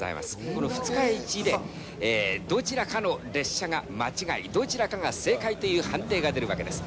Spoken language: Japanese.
この二日市でどちらかの列車が間違い、どちらかが正解という判定が出るわけです。